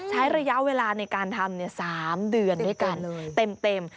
ใช้ระยะเวลาในการทำ๓เดือนด้วยกันเต็ม